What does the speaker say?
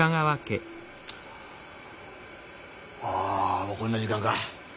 あもうこんな時間か。